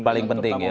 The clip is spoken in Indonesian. paling penting ya